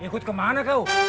ikut kemana kau